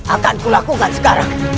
akan kulakukan sekarang